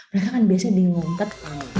mereka kan biasanya di lompet